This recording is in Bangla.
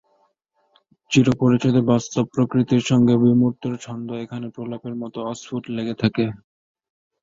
চিরপরিচিত বাস্তব প্রকৃতির সঙ্গে বিমূর্তের ছন্দ এখানে প্রলেপের মতো অস্ফুট লেগে থাকে।